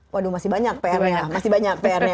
waduh masih banyak pr nya masih banyak